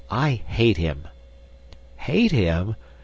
I hate him!" "Hate him!